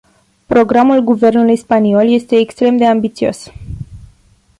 Programul guvernului spaniol este extrem de ambițios.